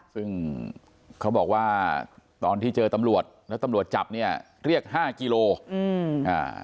ซึ่งเขาบอกว่าตอนที่เจอตำรวจแล้วตำรวจจับเนี่ยเรียกห้ากิโลอืมอ่า